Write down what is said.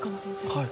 はい。